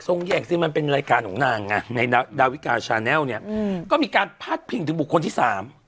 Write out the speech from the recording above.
ทรงแห่งซึ่งมันเป็นรายการของนางอ่ะในดาวิกาเนี้ยอืมก็มีการพาดผิงถึงบุคคลที่สาม